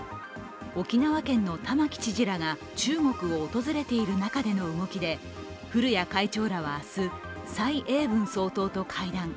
沖縄県の玉城知事らが中国を訪れている中での動きで古屋会長らは明日、蔡英文総統と会談。